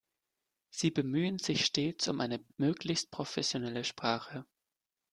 Sie bemühen sich stets um eine möglichst professionelle Sprache.